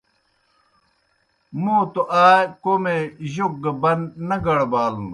موْ توْ آ کوْمے جوک گہ بن نہ گڑبالوْنُس۔